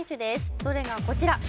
それがこちら何？